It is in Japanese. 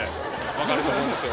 分かると思うんですよ。